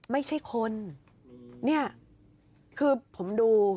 ไม่ใช่คนเนี่ยคือผมดู